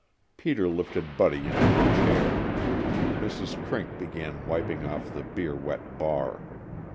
Peter lifted Buddy into a chair. Mrs. Crink began wiping off the beer wet bar.